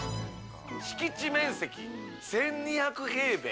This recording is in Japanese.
敷地面積１２００平米。